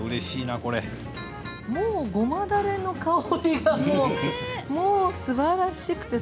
もう、ごまだれの香りがすばらしくて。